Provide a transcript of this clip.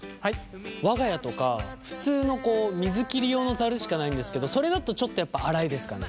我が家とか普通の水切り用のざるしかないんですけどそれだとちょっとやっぱ粗いですかね。